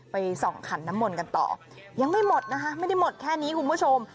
ไปส่องขันน้ำมนต์กันต่อยังไม่หมดนะคะไม่ได้หมดแค่นี้คุณผู้ชม